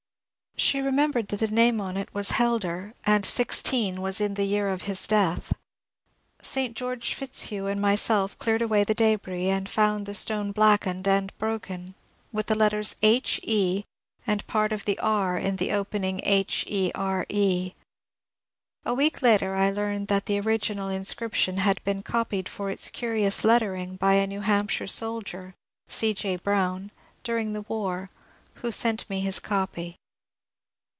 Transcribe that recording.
She remembered that the name on it was ^ Hel der/' and 16 was in the year of his death. St. George ¥its hagh and myself cleared away the ddbris and foond the stone blackened and broken, with the letters H E, and part of the B in the opening HEBE. A week later I learned that the original inscription had been copied for its cnrioos lettering by a New EUunpahire soldier, C. J. Brown, daring the war, who sent me his copy.